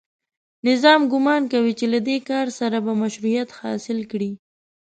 نظام ګومان کوي چې له دې کار سره به مشروعیت حاصل کړي